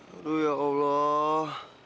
aduh ya allah